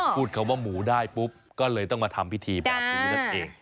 พูดคำว่าหมูได้ปุ๊บก็เลยต้องมาทำพิธีแบบนี้นั่นเอง